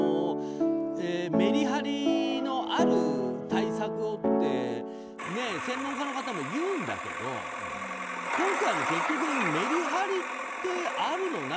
メリハリのある対策をって専門家の方も言うんだけど今回も結局メリハリってあるの？